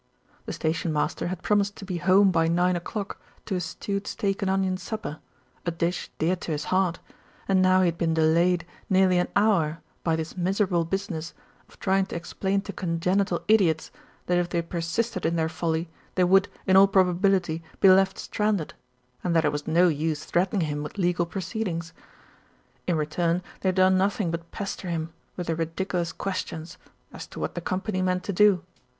The station master had promised to be home by nine o'clock to a stewed steak and onion supper, a dish dear to his heart, and now he had been delayed nearly an hour by this miserable business of trying to explain to congenital idiots that if they persisted in their folly they would, in all probability, be left stranded, and that it was no use threatening him with legal pro ceedings. In return they had done nothing but pester him with their ridiculous questions as to what the Com pany meant to do.